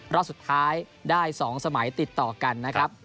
รอบสุดท้ายได้๒สมัยติดต่อกันนะครับ